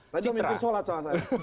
tadi udah mimpi sholat soalnya